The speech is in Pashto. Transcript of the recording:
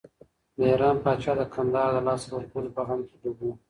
د ایران پاچا د کندهار د لاسه ورکولو په غم کې ډوب و.